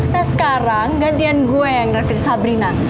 nah sekarang gantian gue yang refri sabrina